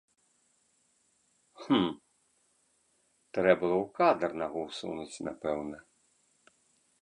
Хм, трэ было ў кадр нагу ўсунуць, напэўна.